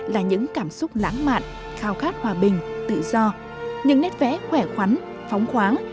là những cảm xúc lãng mạn khao khát hòa bình tự do những nét vẽ khỏe khoắn phóng khoáng